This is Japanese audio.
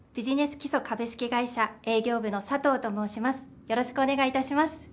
初めましてよろしくお願いいたします。